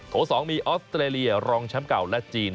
๒มีออสเตรเลียรองแชมป์เก่าและจีน